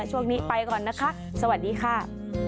ช่วงนี้ไปก่อนนะคะสวัสดีค่ะ